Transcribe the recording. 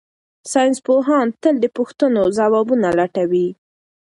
ساینس پوهان تل د پوښتنو ځوابونه لټوي.